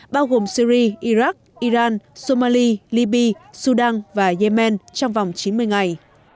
bao gồm syri iraq iran somali libya sudan và yemen trong vòng chín mươi ngày